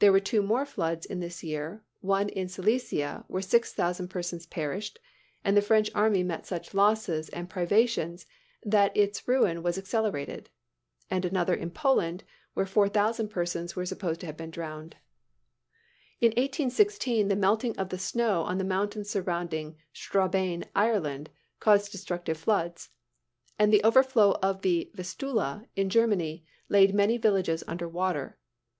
There were two more floods in this year, one in Silesia, where six thousand persons perished, and the French army met such losses and privations that its ruin was accelerated; and another in Poland, where four thousand persons were supposed to have been drowned. In 1816, the melting of the snow on the mountains surrounding Strabane, Ireland, caused destructive floods: and the overflow of the Vistula, in Germany, laid many villages under water.